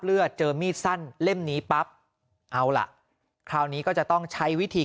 เจอมีดสั้นเล่มนี้ปั๊บเอาล่ะคราวนี้ก็จะต้องใช้วิธี